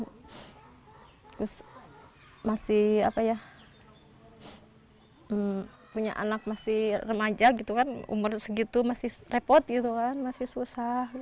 terus masih apa ya punya anak masih remaja gitu kan umur segitu masih repot gitu kan masih susah